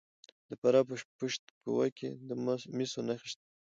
د فراه په پشت کوه کې د مسو نښې شته.